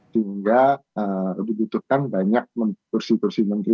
sehingga dibutuhkan banyak kursi kursi menteri